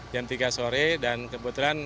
jam tiga sore dan kebetulan